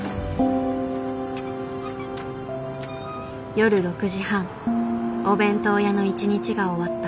夜６時半お弁当屋の一日が終わった。